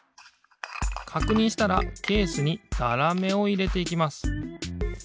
かくにんしたらケースにざらめをいれていきます。